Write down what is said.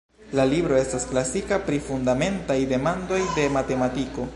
La libro estas klasika pri fundamentaj demandoj de matematiko.